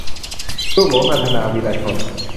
ลูกหลง - นันทนา วีระชน